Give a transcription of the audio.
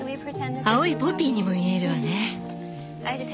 青いポピーにも見えるわね。